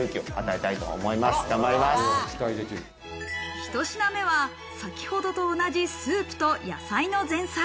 ひと品目は先程と同じスープと野菜の前菜。